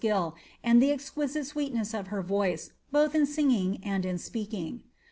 133 muical ikill, and the exquisite sweetness of her Toice, both in singing and in speaking.